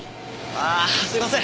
ああすいません！